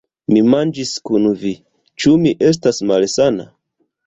Mi manĝis kun vi; ĉu mi estas malsana?